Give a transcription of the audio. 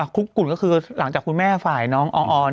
คุกกลุ่นก็คือหลังจากคุณแม่ฝ่ายน้องออน